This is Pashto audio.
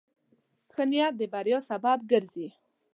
ښه نیت د بریا سبب ګرځي.